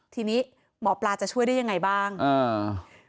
ทีนี้หมอปลาจะช่วยได้ยังไงบ้างอ่า